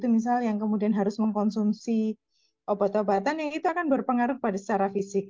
misal yang kemudian harus mengkonsumsi obat obatan yang itu akan berpengaruh pada secara fisik